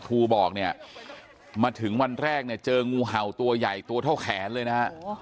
ครูบอกเนี่ยมาถึงวันแรกเนี่ยเจองูเห่าตัวใหญ่ตัวเท่าแขนเลยนะฮะ